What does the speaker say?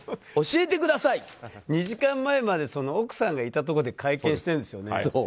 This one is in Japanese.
２時間前まで奥さんがいたところで会見してるんですよね。